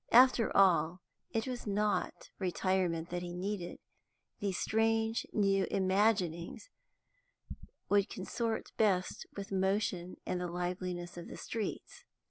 After all, it was not retirement that he needed; these strange new imaginings would consort best with motion and the liveliness of the streets.